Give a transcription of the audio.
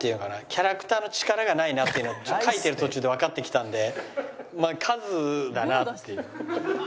キャラクターの力がないなっていうのが描いてる途中でわかってきたんで数だなっていう。